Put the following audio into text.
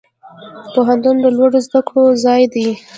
پوهنتون د لوړو زده کړو ځای دی